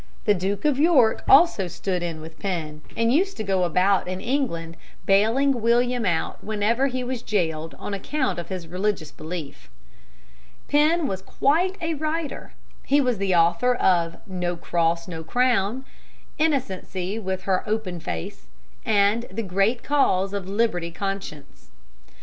The Duke of York also stood in with Penn, and used to go about in England bailing William out whenever he was jailed on account of his religious belief. Penn was quite a writer (see Appendix). He was the author of "No Cross, No Crown," "Innocency with her Open Face," and "The Great Cause of Liberty of Conscience."